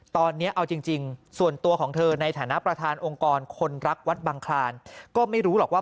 ตอนนี้เอาจริงส่วนตัวของเธอในฐานะประธานองค์กรคนรักวัดบังคลานก็ไม่รู้หรอกว่า